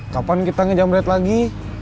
kapan kita ngejamret lagi